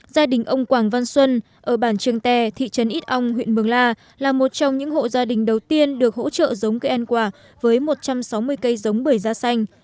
gia đình ông quảng văn xuân ở bản trường tè thị trấn ít ong huyện mường la là một trong những hộ gia đình đầu tiên được hỗ trợ giống cây ăn quả với một trăm sáu mươi cây giống bưởi da xanh